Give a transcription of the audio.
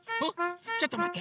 ちょっとまって！